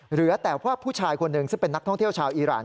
เหลือแต่ว่าผู้ชายคนหนึ่งซึ่งเป็นนักท่องเที่ยวชาวอีราน